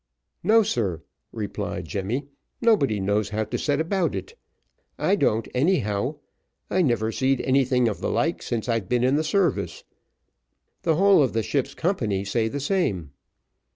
"No, sir," replied Jemmy; "nobody knows how to set about it. I don't, anyhow I never seed anything of the like since I've been in the service the whole of the ship's company say the same."